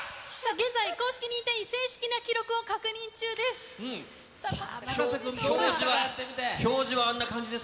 現在、公式認定員、正式な記録を確認中です。